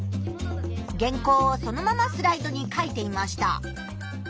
原稿をそのままスライドに書いていました。